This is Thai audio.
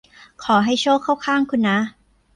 ขอให้โชคเข้าข้างคุณนะ